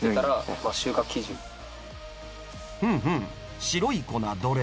ふんふん白い粉どれだ？